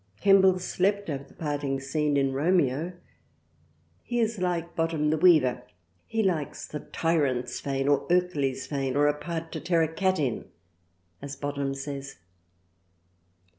Kemble slept over the parting Scene in Romeo. He is like Bottom the Weaver he likes The Tyrants! Vein or Ercles Vein or a Part to tear a Cat in as Bottom says.